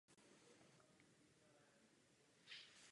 Působí zde zemědělské družstvo i soukromý zemědělec.